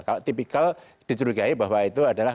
kalau tipikal dicurigai bahwa itu adalah